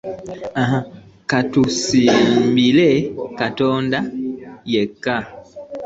Ka tumusabire Katonda yekka.